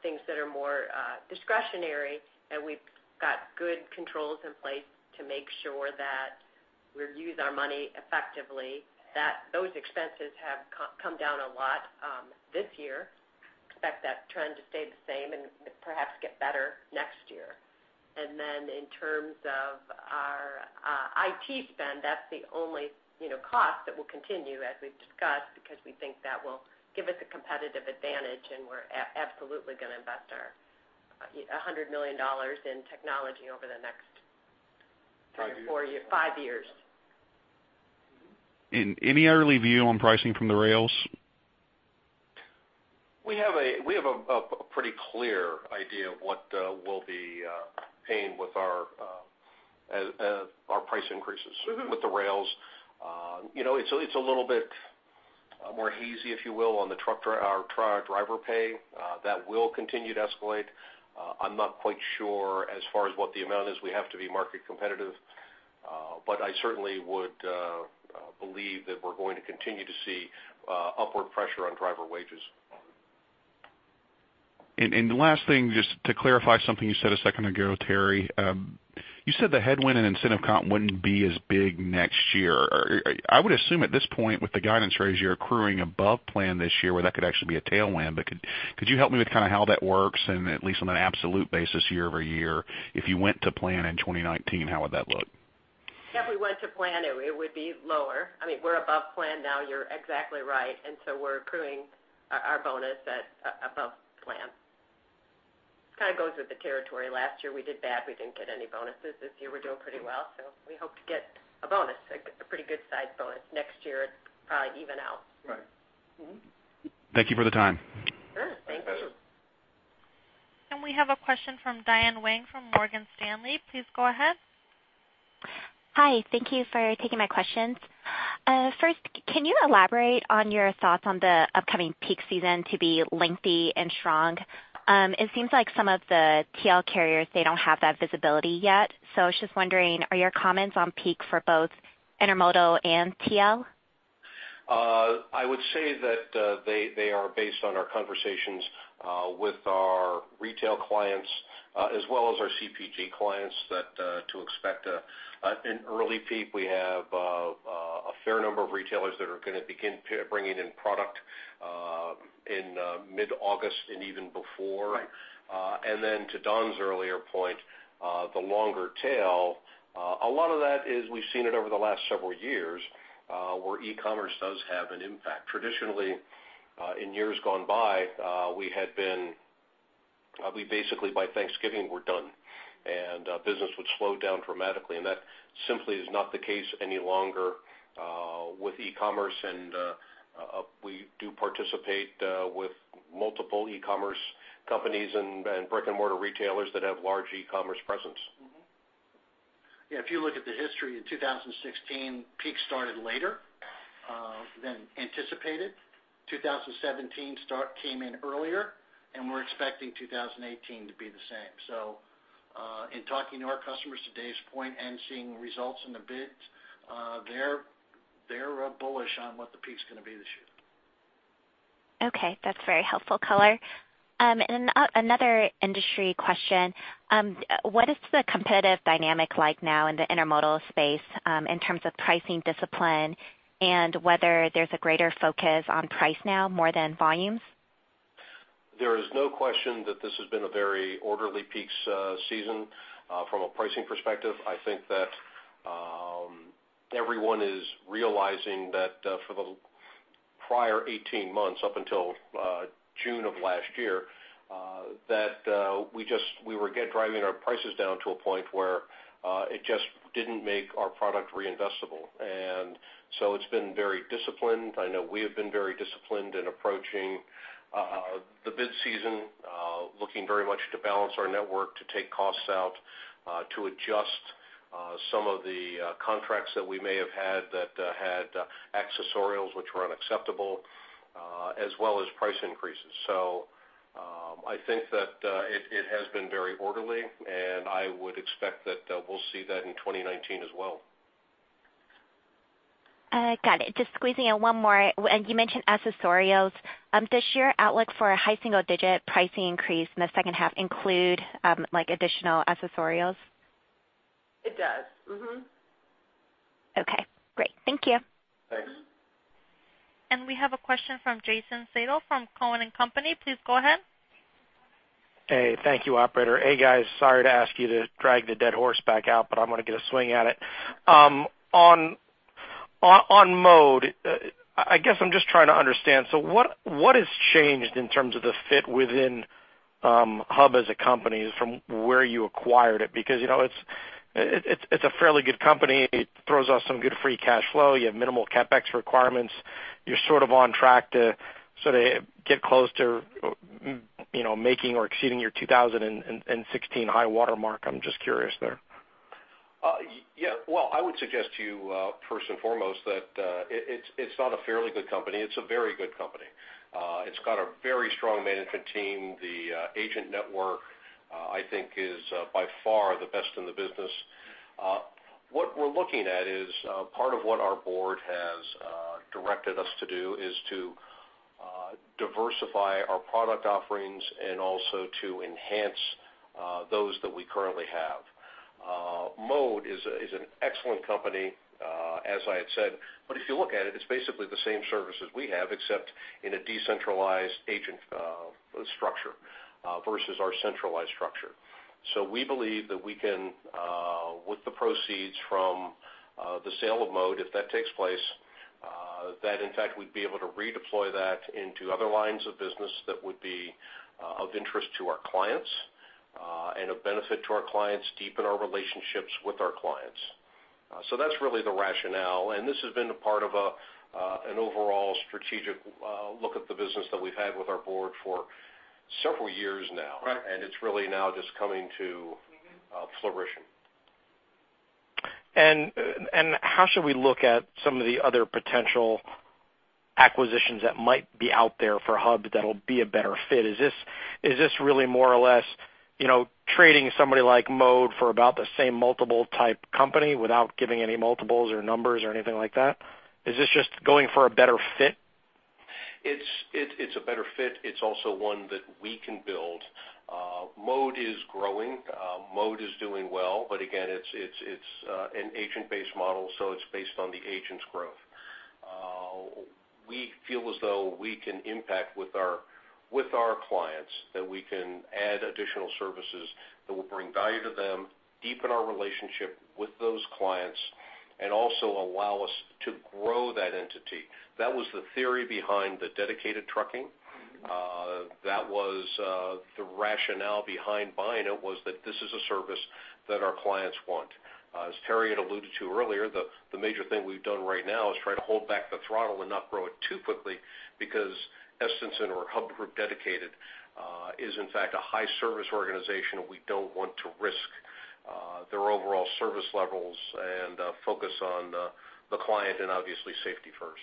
Speaker 4: things that are more discretionary. We've got good controls in place to make sure that we use our money effectively, that those expenses have come down a lot this year. Expect that trend to stay the same and perhaps get better next year. Then in terms of our IT spend, that's the only cost that will continue as we've discussed because we think that will give us a competitive advantage, and we're absolutely going to invest our $100 million in technology over the next-
Speaker 2: Five years
Speaker 4: four or five years.
Speaker 13: Any early view on pricing from the rails?
Speaker 2: We have a pretty clear idea of what we'll be paying with our price increases with the rails. It's a little bit more hazy, if you will, on the truck driver pay. That will continue to escalate. I'm not quite sure as far as what the amount is. We have to be market competitive. I certainly would believe that we're going to continue to see upward pressure on driver wages.
Speaker 13: The last thing, just to clarify something you said a second ago, Terri. You said the headwind and incentive comp wouldn't be as big next year. I would assume at this point with the guidance raise, you're accruing above plan this year where that could actually be a tailwind. Could you help me with how that works and at least on an absolute basis year-over-year, if you went to plan in 2019, how would that look?
Speaker 4: If we went to plan, it would be lower. We're above plan now, you're exactly right. We're accruing our bonus at above plan. Just kind of goes with the territory. Last year, we did bad. We didn't get any bonuses. This year, we're doing pretty well. We hope to get a bonus, a pretty good side bonus. Next year, it'd probably even out.
Speaker 2: Right.
Speaker 13: Thank you for the time.
Speaker 4: Sure. Thank you.
Speaker 1: We have a question from Diane Wang from Morgan Stanley. Please go ahead.
Speaker 14: Hi. Thank you for taking my questions. First, can you elaborate on your thoughts on the upcoming peak season to be lengthy and strong? It seems like some of the TL carriers, they don't have that visibility yet. I was just wondering, are your comments on peak for both intermodal and TL?
Speaker 2: I would say that they are based on our conversations with our retail clients as well as our CPG clients that to expect an early peak. We have a fair number of retailers that are going to begin bringing in product in mid-August and even before.
Speaker 4: Right.
Speaker 2: To Don's earlier point, the longer tail, a lot of that is we've seen it over the last several years where e-commerce does have an impact. Traditionally in years gone by, we basically by Thanksgiving were done, and business would slow down dramatically. That simply is not the case any longer with e-commerce, and we do participate with multiple e-commerce companies and brick and mortar retailers that have large e-commerce presence.
Speaker 3: Yeah, if you look at the history in 2016, peak started later than anticipated. 2017 start came in earlier. We're expecting 2018 to be the same. In talking to our customers to Dave's point and seeing results in the bids, they're bullish on what the peak's going to be this year.
Speaker 14: Okay. That's very helpful color. Another industry question, what is the competitive dynamic like now in the intermodal space, in terms of pricing discipline and whether there's a greater focus on price now more than volumes?
Speaker 2: There is no question that this has been a very orderly peak season. From a pricing perspective, I think that everyone is realizing that for the prior 18 months, up until June of last year, that we were again driving our prices down to a point where it just didn't make our product reinvestable. It's been very disciplined. I know we have been very disciplined in approaching the bid season, looking very much to balance our network, to take costs out, to adjust some of the contracts that we may have had that had accessorials which were unacceptable, as well as price increases. I think that it has been very orderly, and I would expect that we'll see that in 2019 as well.
Speaker 14: Got it. Just squeezing in one more. You mentioned accessorials. Does your outlook for a high single-digit pricing increase in the second half include additional accessorials?
Speaker 2: It does. Mm-hmm.
Speaker 14: Okay, great. Thank you.
Speaker 2: Thanks.
Speaker 1: We have a question from Jason Seidl from Cowen and Company. Please go ahead.
Speaker 15: Hey. Thank you, operator. Hey, guys. Sorry to ask you to drag the dead horse back out, I'm going to get a swing at it. On Mode, I guess I'm just trying to understand, what has changed in terms of the fit within Hub as a company from where you acquired it? Because it's a fairly good company. It throws off some good free cash flow. You have minimal CapEx requirements. You're sort of on track to get close to making or exceeding your 2016 high watermark. I'm just curious there.
Speaker 2: I would suggest to you, first and foremost, that it's not a fairly good company, it's a very good company. It's got a very strong management team. The agent network, I think is by far the best in the business. What we're looking at is part of what our board has directed us to do, is to diversify our product offerings and also to enhance those that we currently have. Mode is an excellent company, as I had said. If you look at it's basically the same services we have except in a decentralized agent structure versus our centralized structure. We believe that we can, with the proceeds from the sale of Mode, if that takes place, that in fact we'd be able to redeploy that into other lines of business that would be of interest to our clients, and of benefit to our clients, deepen our relationships with our clients. That's really the rationale, and this has been a part of an overall strategic look at the business that we've had with our board for several years now.
Speaker 15: Right.
Speaker 2: It's really now just coming to fruition.
Speaker 15: How should we look at some of the other potential acquisitions that might be out there for Hub that'll be a better fit? Is this really more or less trading somebody like Mode for about the same multiple type company without giving any multiples or numbers or anything like that? Is this just going for a better fit?
Speaker 2: It's a better fit. It's also one that we can build. Mode is growing. Mode is doing well. Again, it's an agent-based model, so it's based on the agent's growth. We feel as though we can impact with our clients, that we can add additional services that will bring value to them, deepen our relationship with those clients, and also allow us to grow that entity. That was the theory behind the dedicated trucking. That was the rationale behind buying it, was that this is a service that our clients want. As Terri had alluded to earlier, the major thing we've done right now is try to hold back the throttle and not grow it too quickly, because Estenson or Hub Group Dedicated is in fact a high service organization, and we don't want to risk their overall service levels and focus on the client, and obviously safety first.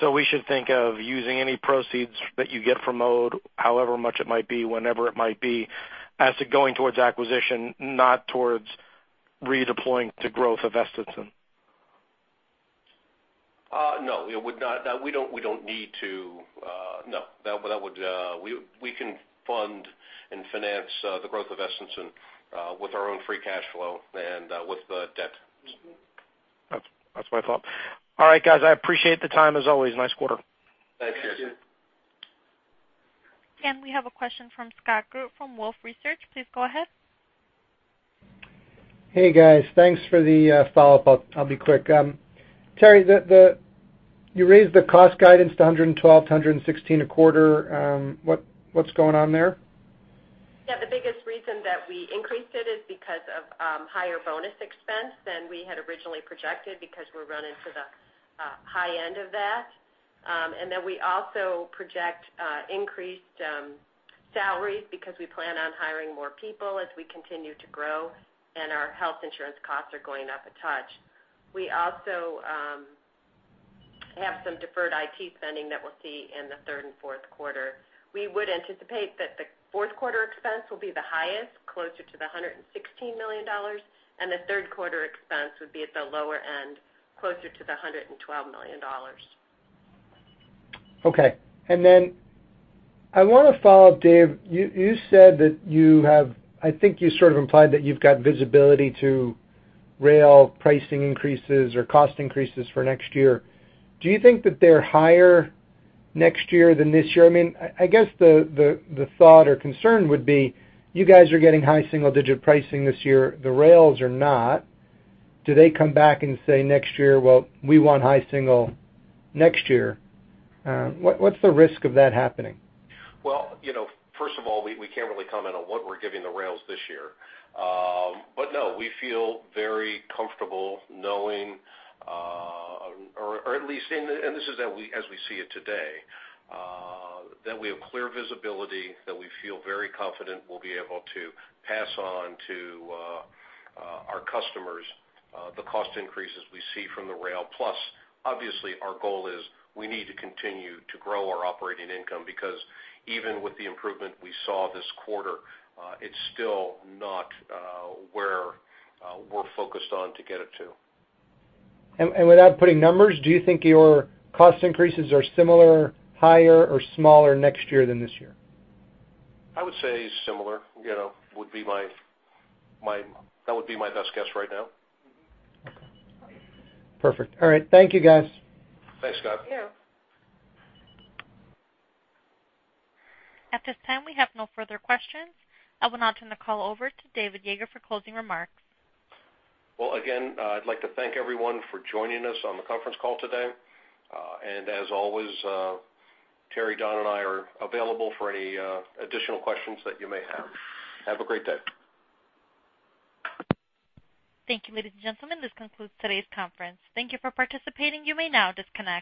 Speaker 15: So we should think of using any proceeds that you get from Mode, however much it might be, whenever it might be, as to going towards acquisition, not towards redeploying to growth of Estenson.
Speaker 2: No. We don't need to. No. We can fund and finance the growth of Estenson with our own free cash flow and with the debt.
Speaker 15: That's my thought. All right, guys, I appreciate the time as always. Nice quarter.
Speaker 2: Thank you.
Speaker 1: We have a question from Scott Group from Wolfe Research. Please go ahead.
Speaker 5: Hey, guys. Thanks for the follow-up. I'll be quick. Terri, you raised the cost guidance to $112-$116 a quarter. What's going on there?
Speaker 4: Yeah. The biggest reason that we increased it is because of higher bonus expense than we had originally projected because we're running to the high end of that. Then we also project increased salaries because we plan on hiring more people as we continue to grow, and our health insurance costs are going up a touch. We also have some deferred IT spending that we'll see in the third and fourth quarter. We would anticipate that the fourth quarter expense will be the highest, closer to the $116 million, and the third quarter expense would be at the lower end, closer to the $112 million.
Speaker 5: Okay. I want to follow up, Dave. I think you sort of implied that you've got visibility to rail pricing increases or cost increases for next year. Do you think that they're higher next year than this year? I guess the thought or concern would be you guys are getting high single-digit pricing this year. The rails are not. Do they come back and say next year, Well, we want high single next year. What's the risk of that happening?
Speaker 2: Well, first of all, we can't really comment on what we're giving the rails this year. No, we feel very comfortable knowing, or at least, this is as we see it today, that we have clear visibility, that we feel very confident we'll be able to pass on to our customers the cost increases we see from the rail. Plus, obviously, our goal is we need to continue to grow our operating income because even with the improvement we saw this quarter, it's still not where we're focused on to get it to.
Speaker 5: Without putting numbers, do you think your cost increases are similar, higher, or smaller next year than this year?
Speaker 2: I would say similar. That would be my best guess right now.
Speaker 5: Perfect. All right. Thank you, guys.
Speaker 2: Thanks, Scott.
Speaker 4: Thank you.
Speaker 1: At this time, we have no further questions. I will now turn the call over to David Yeager for closing remarks.
Speaker 2: Well, again, I'd like to thank everyone for joining us on the conference call today. As always, Terri, Don, and I are available for any additional questions that you may have. Have a great day.
Speaker 1: Thank you, ladies and gentlemen. This concludes today's conference. Thank you for participating. You may now disconnect.